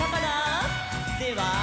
では。